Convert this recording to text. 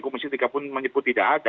komisi tiga pun menyebut tidak ada